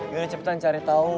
gue udah cepetan cari tau